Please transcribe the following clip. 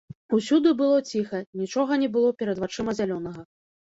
Усюды было ціха, нічога не было перад вачыма зялёнага.